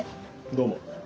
どうも。